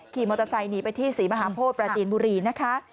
ขี่มอเตอร์ไซค์หนีไปที่ศรีมหาโพธิปราจีนบุรีนะคะ